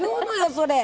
それ。